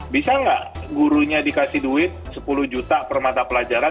bisa nggak gurunya dikasih duit sepuluh juta per mata pelajaran